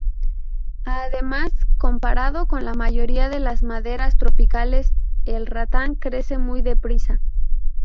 Además, comparado con la mayoría de las maderas tropicales, el ratán crece muy deprisa.